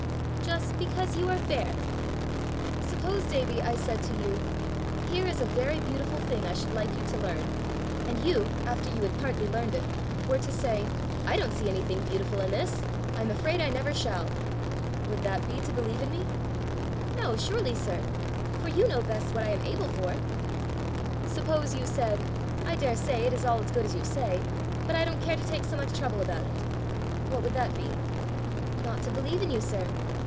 "Just because you are fair." "Suppose, Davie, I said to you, 'Here is a very beautiful thing I should like you to learn,' and you, after you had partly learned it, were to say, 'I don't see anything beautiful in this: I am afraid I never shall!' would that be to believe in me?" "No, surely, sir! for you know best what I am able for." "Suppose you said, 'I daresay it is all as good as you say, but I don't care to take so much trouble about it,' what would that be?" "Not to believe in you, sir.